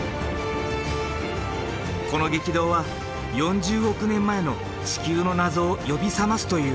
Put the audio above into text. この激動は４０億年前の地球の謎を呼び覚ますという。